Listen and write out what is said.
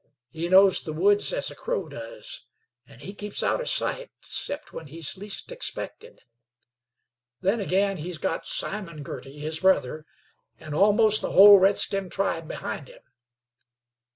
He knows the woods as a crow does, an' keeps outer sight 'cept when he's least expected. Then ag'in, he's got Simon Girty, his brother, an' almost the whole redskin tribe behind him.